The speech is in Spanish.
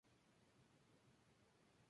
El primer campeonato se disputó en St.